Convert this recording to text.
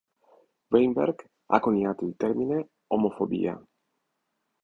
Weinberg ha coniato il termine "omofobia".